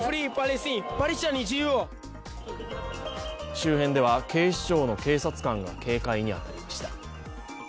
周辺では警視庁の警察官が警戒に当たりました。